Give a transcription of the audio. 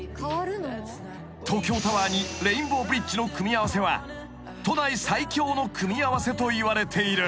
［東京タワーにレインボーブリッジの組み合わせは都内最強の組み合わせといわれている］